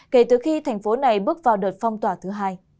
kể từ khi thành phố này bước vào đợt phong tỏa thứ hai